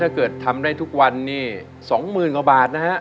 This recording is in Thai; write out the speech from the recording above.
ถ้าเกิดทำได้ทุกวันนี้๒๐๐๐กว่าบาทนะฮะ